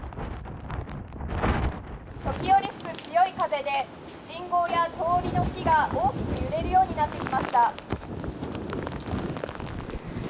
時折吹く強い風で信号や通りの木が大きく揺れるようになってきました。